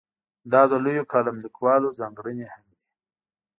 دا د لویو کالم لیکوالو ځانګړنې هم دي.